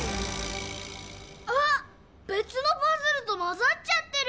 あっ⁉べつのパズルとまざっちゃってる！